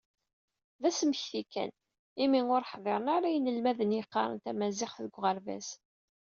D asmekti kan, imi ur ḥḍiren ara yinelmaden yeqqaren tamaziɣt deg uɣerbaz.